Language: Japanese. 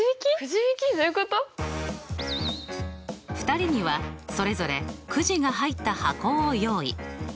２人にはそれぞれくじが入った箱を用意。